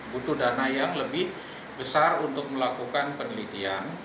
butuh dana yang lebih besar untuk melakukan penelitian